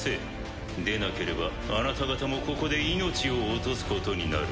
でなければあなた方もここで命を落とすことになる。